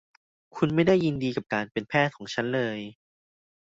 คุณไม่ได้ยินดีกับการเป็นแพทย์ของฉันเลย